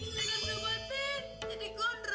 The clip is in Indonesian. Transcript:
pilihan kebatin jadi gondrong